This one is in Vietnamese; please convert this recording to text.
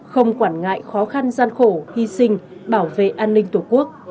không quản ngại khó khăn gian khổ hy sinh bảo vệ an ninh tổ quốc